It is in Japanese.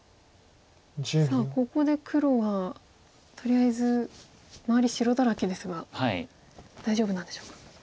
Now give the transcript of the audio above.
さあここで黒はとりあえず周り白だらけですが大丈夫なんでしょうか。